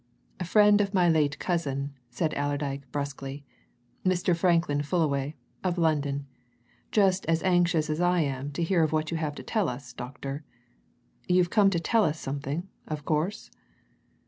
"Friend of my late cousin," said Allerdyke brusquely. "Mr. Franklin Fullaway, of London just as anxious as I am to hear what you have to tell us, doctor. You've come to tell something, of course?"